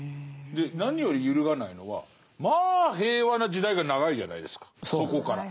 何より揺るがないのはまあ平和な時代が長いじゃないですかそこから。